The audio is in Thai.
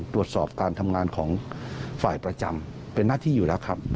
ตรวจสอบการทำงานของฝ่ายประจำเป็นหน้าที่อยู่แล้วครับ